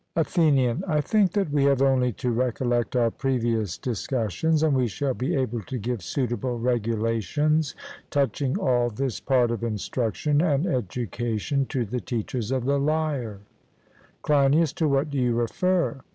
ATHENIAN: I think that we have only to recollect our previous discussions, and we shall be able to give suitable regulations touching all this part of instruction and education to the teachers of the lyre. CLEINIAS: To what do you refer?